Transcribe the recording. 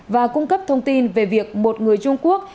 và cung cấp thông tin về việc một người trung quốc